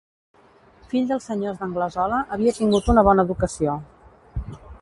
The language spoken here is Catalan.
Fill dels senyors d'Anglesola havia tingut una bona educació.